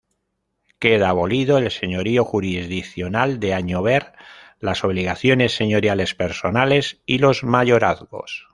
Queda abolido el señorío jurisdiccional de Añover, las obligaciones señoriales personales y los mayorazgos.